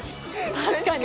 確かに。